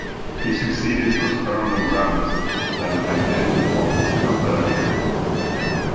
He succeeded Prospero Nograles, whose term had ended almost a month earlier.